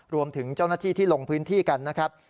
รวมถึงเจ้าหน้าที่ที่ลงพื้นที่กันนะครับ